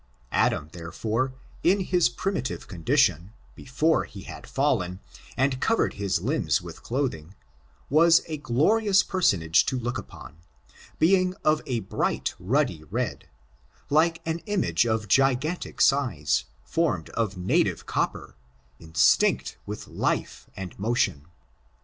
Adam, therefore, hi his primitive condition, before he had fallen, and covered his limbs with clothing, was a glorious personage to look upon — being of a bright ruddy red, like an image of gigantic size, formed of native copper, instinct with life and motion.